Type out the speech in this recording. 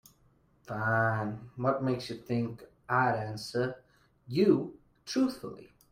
Fine, what makes you think I'd answer you truthfully?